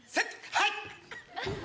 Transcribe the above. はい！